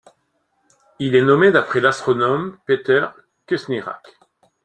Il est nommé d'après l'astronome Peter Kušnirák.